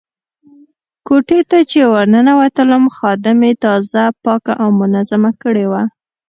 کوټې ته چې ورننوتلم خادمې تازه پاکه او منظمه کړې وه.